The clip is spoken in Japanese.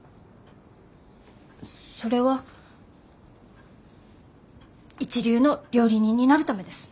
それは一流の料理人になるためです。